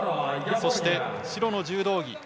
そして、白の柔道着